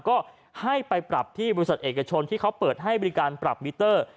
ก็ให้ไปปรับที่บริษัทเอกชนที่เขาเปิดให้บริการปรับมิเตอร์